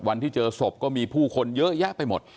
วันที่เจอศพก็มีผู้คนเยอะแยะไปหมด